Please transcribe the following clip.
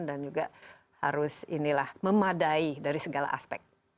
dan juga harus memadai dari segala aspek